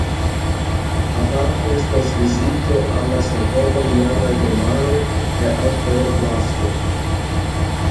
Aparte estas vizito al la senhomaj iamaj domaroj kaj al Peroblasco.